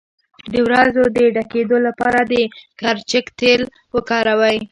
د وروځو د ډکیدو لپاره د کرچک تېل وکاروئ